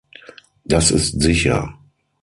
Das ist sicher!